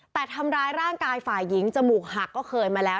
แต่ทำร้ายร่างกายฝ่ายหญิงจมูกหักก็เคยมาแล้ว